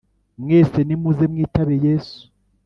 Mwese nimuze mwitabe yesu